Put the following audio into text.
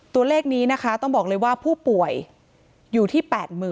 ตัวเลขนี้นะคะต้องบอกเลยว่าผู้ป่วยอยู่ที่๘๐๐๐